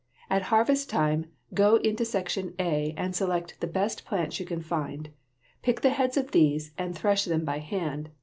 At harvest time go into section A and select the best plants you can find. Pick the heads of these and thresh them by hand.